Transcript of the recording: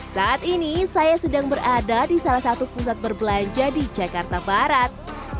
saat ini saya sedang berada di salah satu pusat berbelanja di jakarta barat